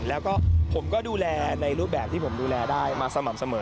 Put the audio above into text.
แล้วก็ผมก็ดูแลในรูปแบบที่ผมดูแลได้มาสม่ำเสมอ